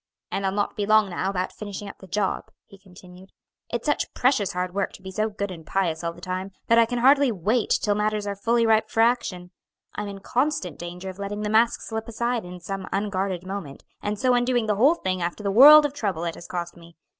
"And I'll not be long now about finishing up the job," he continued; "it's such precious hard work to be so good and pious all the time, that I can hardly wait till matters are fully ripe for action. I'm in constant danger of letting the mask slip aside in some unguarded moment, and so undoing the whole thing after the world of trouble it has cost me.